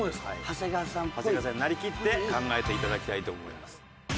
長谷川さんになりきって考えていただきたいと思います。